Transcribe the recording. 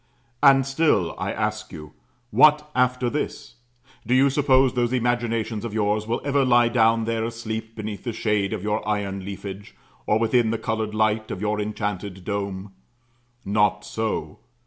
And still, I ask you, What after this? Do you suppose those imaginations of yours will ever lie down there asleep beneath the shade of your iron leafage, or within the coloured light of your enchanted dome? Not so.